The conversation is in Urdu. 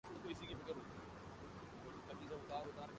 رکنے کا نام ہی نہیں لیا۔